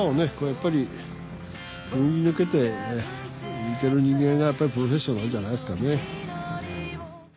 やっぱりくぐり抜けていける人間がやっぱりプロフェッショナルなんじゃないですかね。